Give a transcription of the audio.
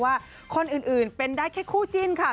ว่าคนอื่นเป็นได้แค่คู่จิ้นค่ะ